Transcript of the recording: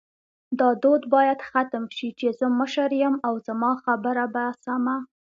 دا دود باید ختم شې چی زه مشر یم او زما خبره به سمه